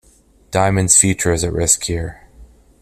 Diamond's future is at risk here.